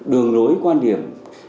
đường lối quan điểm